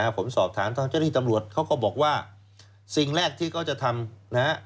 ผมสอบถามทางเจ้าหน้าที่ตำรวจเขาก็บอกว่าสิ่งแรกที่เขาจะทำนะฮะ